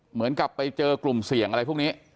เหมือนกับไปเจอกลุ่มเสี่ยงอะไรพวกนี้